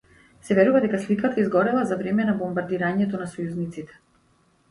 Се верува дека сликата изгорела за време на бомбардирањето на сојузниците.